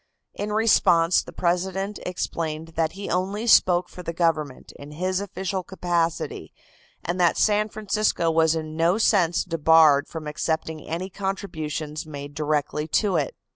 In response the President explained that he only spoke for the government, in his official capacity, and that San Francisco was in no sense debarred from accepting any contributions made directly to it.